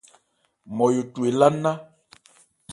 Nmɔyo cu elá nná.